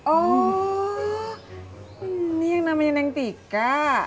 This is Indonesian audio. oh ini yang namanya neng tika